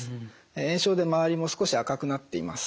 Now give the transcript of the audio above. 炎症で周りも少し赤くなっています。